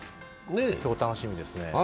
今日、楽しみですね。